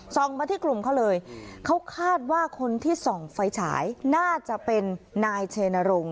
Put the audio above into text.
มาที่กลุ่มเขาเลยเขาคาดว่าคนที่ส่องไฟฉายน่าจะเป็นนายชัยนรงค